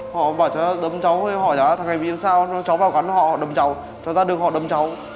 họ bảo cháu đâm cháu họ hỏi cháu là thằng này bị làm sao cháu vào quán họ đâm cháu cháu ra đường họ đâm cháu